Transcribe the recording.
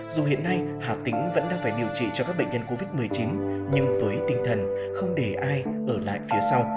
dù hiện nay hà tĩnh vẫn đang phải điều trị cho các bệnh nhân covid một mươi chín nhưng với tinh thần không để ai ở lại phía sau